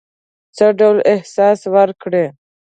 څه ډول احساس وکړی.